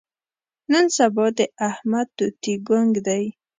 نن سبا د احمد توتي ګونګ دی.